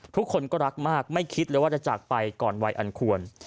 ทุกคนก็รักมากไม่คิดเลยว่าจะจากไปก่อนวัยอันควร